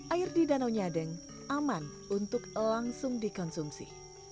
air di danau nyadeng aman untuk langsung dikonsumsi